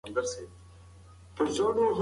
که موږ په خپلو کې مینه ولرو کلتور پیاوړی کیږي.